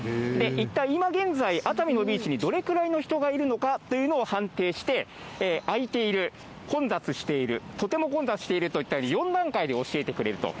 一体、今現在、熱海のビーチにどれくらいの人がいるのかというのを算定して、空いている、混雑している、とても混雑しているといったように、４段階で教えてくれると。